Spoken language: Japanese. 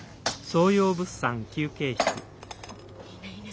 いいねいいね！